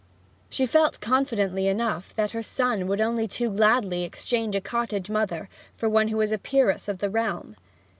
She felt confidently enough that her son would only too gladly exchange a cottage mother for one who was a peeress of the realm.